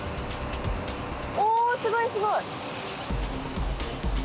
おすごいすごい。